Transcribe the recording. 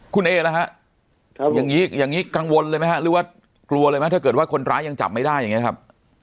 คุณเอล่ะฮะอย่างนี้อย่างนี้กังวลเลยไหมฮะหรือว่ากลัวเลยไหมถ้าเกิดว่าคนร้ายยังจับไม่ได้อย่างนี้ครับ